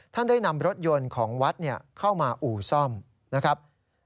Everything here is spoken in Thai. ท่านได้นำรถยนต์ของวัดเข้ามาอู่ซ่อมนะครับ